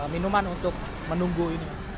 minuman untuk menunggu ini